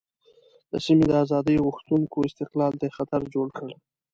د سیمې د آزادۍ غوښتونکو استقلال ته یې خطر جوړ کړ.